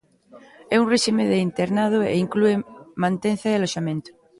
É un réxime de internado e inclúe mantenza e aloxamento.